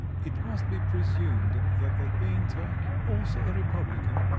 It must be presumed that the painter, "also a republican!"